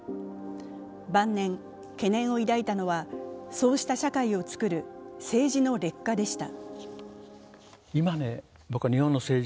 晩年、懸念を抱いたのはそうした社会を作る政治の劣化でした。